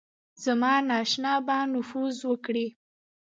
زمانشاه به نفوذ وکړي.